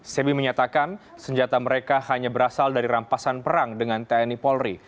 sebi menyatakan senjata mereka hanya berasal dari rampasan perang dengan tni polri